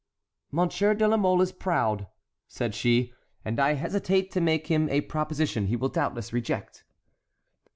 "Monsieur de la Mole is proud," said she, "and I hesitate to make him a proposition he will doubtless reject."